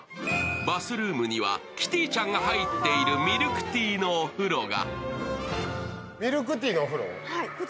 バスルームにはキティちゃんが入っているミルクティーのお風呂が。